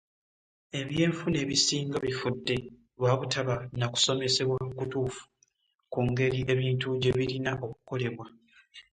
eby'enfuna ebisinga bifudde lwabutaba nakusomesebwa kutuufu ku ngeri ebintu gyebirina okolebwa